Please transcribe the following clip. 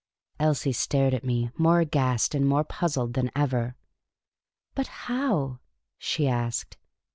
Elsie stared at me, more aghast and more puzzled than ever. " But how ?" she asked.